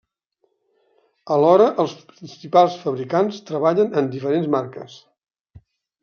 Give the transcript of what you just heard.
Alhora els principals fabricants treballen amb diferents marques.